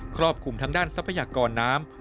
รอบคลุมทางด้านทรัพยากรน้ำ